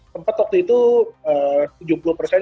tempat waktu itu tujuh puluh persen